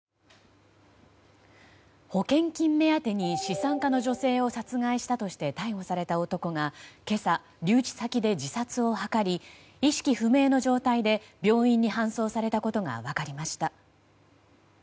保険金目当てに資産家の女性を殺害したとして逮捕された男が今朝、留置先で自殺を図り意識不明の状態で、病院に搬送されたことが分かりました。